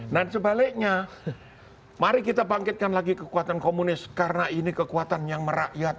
nah sebaliknya mari kita bangkitkan lagi kekuatan komunis karena ini kekuatan yang merakyat